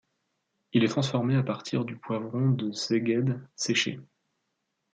Il est transformé à partir du poivron de Szeged séché.